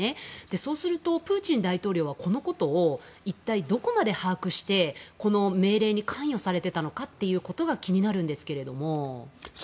そうすると、プーチン大統領はこのことを一体どこまで把握してこの命令に関与されていたのかというのが気になるんですけれども。